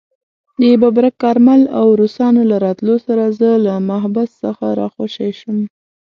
د ببرک کارمل او روسانو له راتلو سره زه له محبس څخه راخوشي شوم.